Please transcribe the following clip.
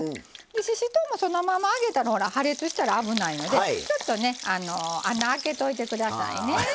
ししとうも、そのまま揚げて破裂したら危ないのでちょっと穴あけといてくださいね。